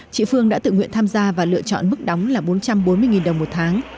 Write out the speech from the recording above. chị phương đã tự nguyện tham gia và lựa chọn mức đóng là bốn trăm bốn mươi đồng một tháng